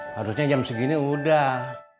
harusnya jam segini udah